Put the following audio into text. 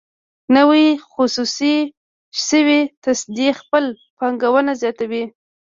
نوې خصوصي شوې تصدۍ خپله پانګونه زیاتوي.